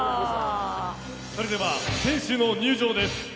それでは、選手の入場です。